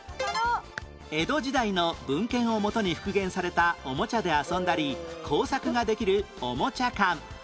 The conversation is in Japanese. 江戸時代の文献をもとに復元されたおもちゃで遊んだり工作ができるおもちゃ館